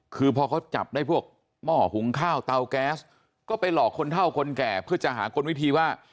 คือพอเขาจับได้พวกหม้อหุงข้าวเตาแก๊สก็ไปหลอกคนเท่าคนแก่เพื่อจะหากลวิธีว่า